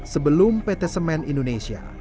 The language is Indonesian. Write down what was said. sebelum pt semen indonesia